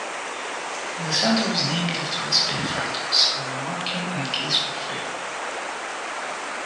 The centre is named after its benefactors Allan Markin and Keith MacPhail.